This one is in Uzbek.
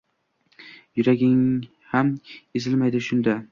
Yuraging ham ezilmaydi shunda.